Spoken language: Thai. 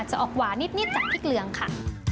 จะออกหวานนิดจากพริกเกลืองค่ะ